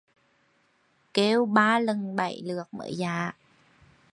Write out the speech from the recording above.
Kêu ba lần bảy lượt mới dạ